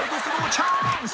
チャーンス！